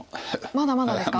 まだまだですか？